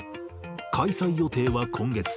開催予定は今月。